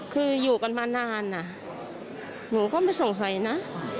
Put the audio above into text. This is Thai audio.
คืออยู่กันมานานหนูก็ไม่สงสัยนะ